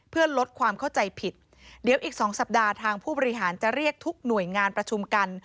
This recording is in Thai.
เพื่อลดความเข้าใจผิดเดี๋ยวอีกสองสัปดาห์ทางผู้บริหารจะเรียกทุกหน่วยงานประชุมกัน